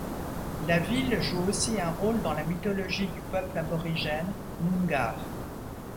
La ville joue aussi un rôle dans la mythologie du peuple aborigène Noongar.